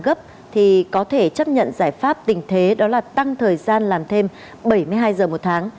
gấp thì có thể chấp nhận giải pháp tình thế đó là tăng thời gian làm thêm bảy mươi hai giờ một tháng